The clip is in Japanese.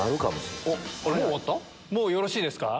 もうよろしいですか？